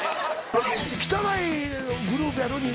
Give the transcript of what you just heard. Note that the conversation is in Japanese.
汚いグループやのに。